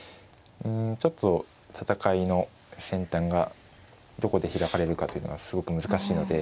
ちょっと戦いの戦端がどこで開かれるかというのはすごく難しいので。